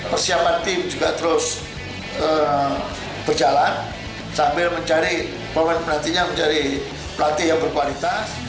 persiapan tim juga terus berjalan sambil mencari pelatih yang berkualitas